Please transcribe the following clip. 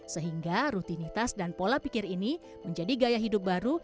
sehingga rutinitas dan pola pikir ini menjadi gaya hidup baru